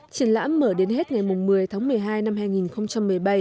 triển lãm mở đến hết ngày một mươi tháng một mươi hai năm hai nghìn một mươi bảy